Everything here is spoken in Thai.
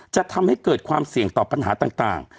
จะทำให้เกิดความเสี่ยงต่อปัญหาต่าง